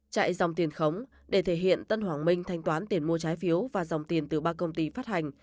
chạy dòng tiền khống để thể hiện tân hoàng minh thanh toán tiền mua trái phiếu và dòng tiền từ ba công ty phát hành